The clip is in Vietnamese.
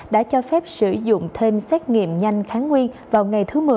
đã cho phép sử dụng thêm xét nghiệm nhanh kháng nguyên vào ngày thứ một mươi